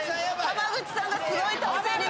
濱口さんがすごい体勢に。